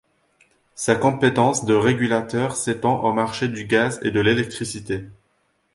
Sa compétence de régulateur s'étend aux marchés du gaz et de l'électricité.